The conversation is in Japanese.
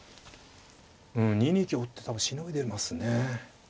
２二香打って多分しのいでますね。